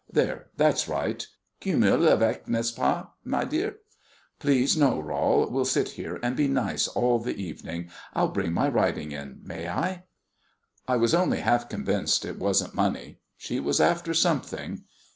There, that's right. Kümmel avec, n'est ce pas, my dear?" "Please. No, Rol, we'll sit here and be nice all the evening. I'll bring my writing in may I?" I was only half convinced it wasn't money; she was after something.